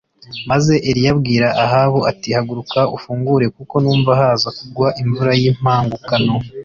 Maze Eliya abwira Ahabu ati “Haguruka ufungure kuko numva haza kugwa imvura y’impangukano”